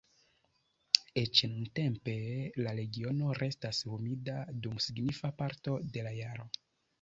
Eĉ nuntempe, la regiono restas humida dum signifa parto de la jaro.